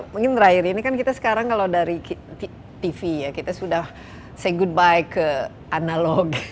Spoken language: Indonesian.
mungkin terakhir ini kan kita sekarang kalau dari tv ya kita sudah say good bike ke analog